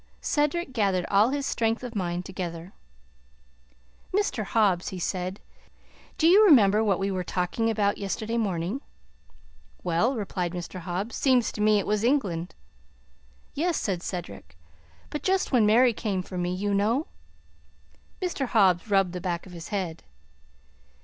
Cedric gathered all his strength of mind together. "Mr. Hobbs," he said, "do you remember what we were talking about yesterday morning?" "Well," replied Mr. Hobbs, "seems to me it was England." "Yes," said Cedric; "but just when Mary came for me, you know?" Mr. Hobbs rubbed the back of his head.